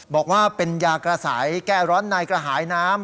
บอกว่าเป็นยากระใสแก้ร้อนในกระหายน้ำ